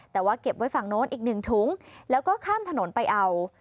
แต่ว่าเก็บไว้ฝั่งโน้นอีกหนึ่งถุงแล้วก็ข้ามถนนไปเอา